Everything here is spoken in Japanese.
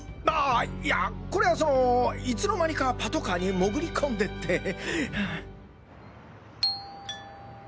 ああいやこれはそのいつの間にかパトカーに潜り込んでて。